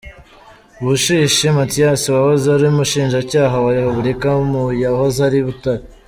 Bushishi Mathias wahoze ari Umushinjacyaha wa Repubulika mu yahoze ari Butare, .